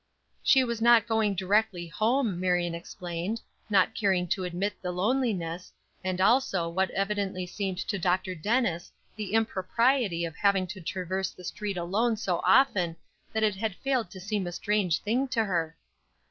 She was not going directly home, Marion explained, not caring to admit the loneliness, and also what evidently seemed to Dr. Dennis the impropriety of having to traverse the street alone so often that it had failed to seem a strange thing to her.